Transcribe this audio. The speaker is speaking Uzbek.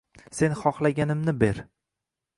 Sen xohlaganimni ber.